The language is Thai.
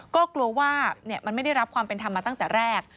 ก็กลัวว่ามันไม่ได้รับความเป็นธรรมมาตั้งแต่แรก